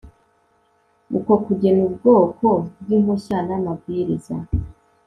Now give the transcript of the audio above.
Uko kugena ubwoko bw impushya n amabwiriza